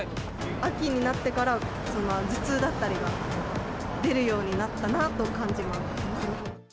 秋になってから頭痛だったりが出るようになったなと感じます。